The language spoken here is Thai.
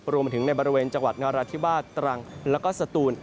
รวมไปถึงในบริเวณจังหวัดนราธิวาสตรังแล้วก็สตูน